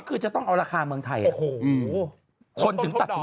ก็คือจะต้องเอาราคาเมืองไทยโอ้โห